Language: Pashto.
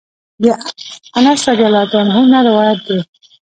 د انس رضی الله عنه نه روايت دی: